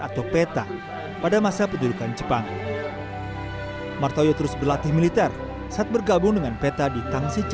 itu pendengaran kita dunia perang kita